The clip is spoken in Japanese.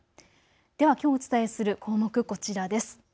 ではきょうお伝えする項目、こちらです。